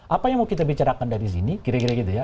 apa yang mau kita bicarakan dari sini kira kira gitu ya